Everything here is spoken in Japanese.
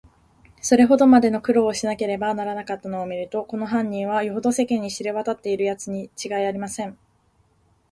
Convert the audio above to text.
それほどまでの苦労をしなければならなかったのをみると、この犯人は、よほど世間に知れわたっているやつにちがいありません。